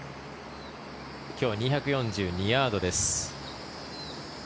今日２４２ヤードです。